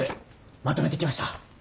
まとめてきました。